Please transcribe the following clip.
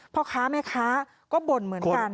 พ่อค้าแม่ค้าก็บ่นเหมือนกัน